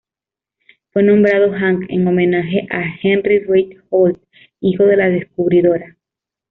Fue nombrado Hank en homenaje a "Henry Reid Holt" hijo de la descubridora.